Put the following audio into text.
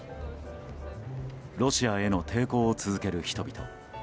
ロシアへの抵抗を続ける人々。